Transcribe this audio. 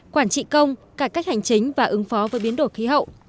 quản trị công cải cách hành chính và ứng phó với biến đổi khí hậu